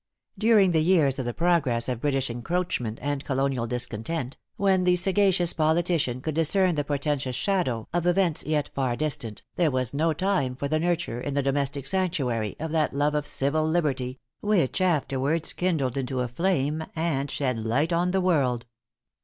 During the years of the progress of British encroachment and colonial discontent, when the sagacious politician could discern the portentous shadow of events yet far distant, there was time for the nurture, in the domestic sanctuary, of that love of civil liberty, which afterwards kindled into a flame, and shed light on the world.